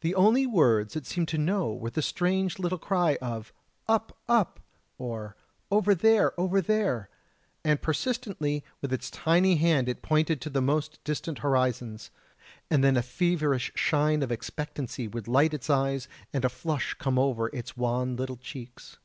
The only words it seemed to know were the strange little cry of: "Up, up," or "Over there, over there," and persistently with its tiny hand it pointed to the most distant horizons; and then a feverish shine of expectancy would light its eyes and a flush come over its wan little cheeks.